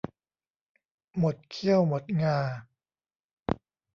หมดเขี้ยวหมดงา